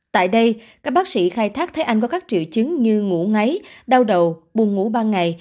tại đây các bác sĩ khai thác thấy anh có các triệu chứng như ngủ ngáy đau đầu buồn ngủ ban ngày